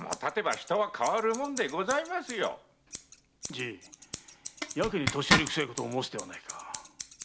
じいやけに年寄りくさいことを申すではないか。